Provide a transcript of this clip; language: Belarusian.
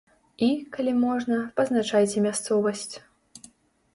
І, калі можна, пазначайце мясцовасць.